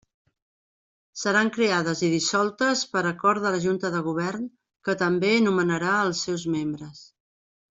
Seran creades i dissoltes per acord de la Junta de Govern, que també nomenarà els seus membres.